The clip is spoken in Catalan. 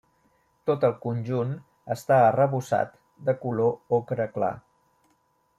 Tot el conjunt està arrebossat de color ocre clar.